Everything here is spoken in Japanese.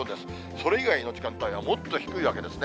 それ以外の時間帯はもっと低いわけですね。